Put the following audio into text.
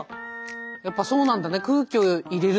やっぱそうなんだね。